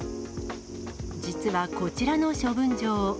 実はこちらの処分場。